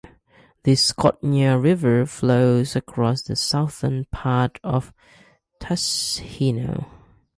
The Skhodnya River flows across the southern part of Tushino.